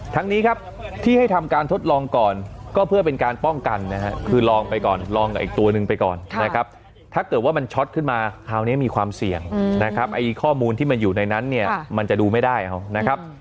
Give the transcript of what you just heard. ทั้งนี้ครับที่ให้ทำการทดลองก่อนก็เพื่อเป็นการป้องกันนะฮะคือลองไปก่อนลองกับอีกตัวหนึ่งไปก่อนนะครับถ้าเกิดว่ามันช็อตขึ้นมาคราวนี้มีความเสี่ยงนะครับไอ้ข้อมูลที่มันอยู่ในนั้นเนี่ยมันจะดูไม่ได้เอานะครับ